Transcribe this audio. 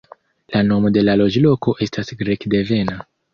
La nomo de la loĝloko estas grek-devena.